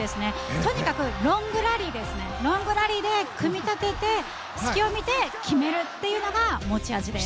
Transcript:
とにかくロングラリーで組み立てて隙を見て決めるというのが持ち味です。